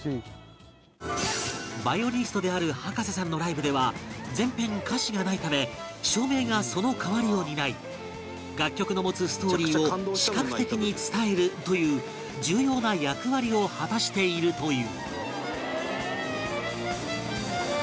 ヴァイオリニストである葉加瀬さんのライブでは全編歌詞がないため照明がその代わりを担い楽曲の持つストーリーを視覚的に伝えるという重要な役割を果たしているという